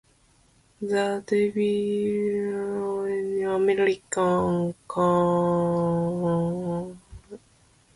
The development of African-American communities, education and political culture has been intensively studied.